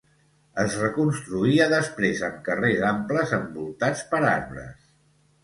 Es reconstruïa després amb carrers amples envoltats per arbres.